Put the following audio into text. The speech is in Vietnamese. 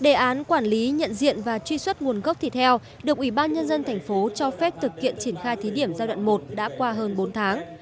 đề án quản lý nhận diện và truy xuất nguồn gốc thịt heo được ủy ban nhân dân thành phố cho phép thực hiện triển khai thí điểm giai đoạn một đã qua hơn bốn tháng